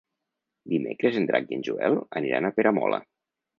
Dimecres en Drac i en Joel aniran a Peramola.